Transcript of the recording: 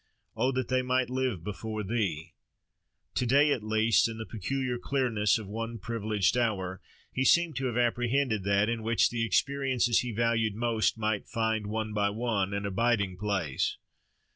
"Oh! that they might live before Thee"—To day at least, in the peculiar clearness of one privileged hour, he seemed to have apprehended that in which the experiences he valued most might find, one by one, an abiding place.